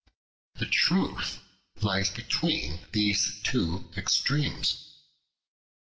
The truth lies between these two extremes.